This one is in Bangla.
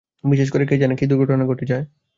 বিশেষ করে, কে জানে কী দুর্ঘটনা ঘটে যায়!